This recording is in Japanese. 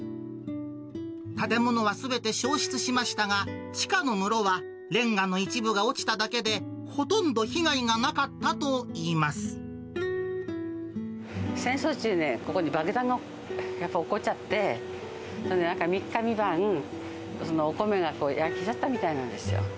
建物はすべて焼失しましたが、地下の室はれんがの一部が落ちただけで、ほとんど被害がなかった戦争中ね、ここに爆弾がおっこっちゃって、それでなんか三日三晩、お米が焼けちゃったみたいなんですよ。